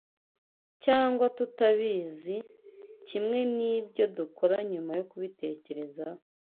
cyangwa tutabizi, kimwe n’ibyo dukora nyuma yo kubitekerezaho